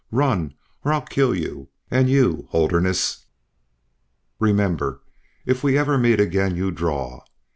run, or I'll kill you. And you, Holderness! Remember! If we ever meet again you draw!"